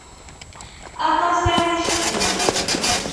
Aṭas ara yecfun.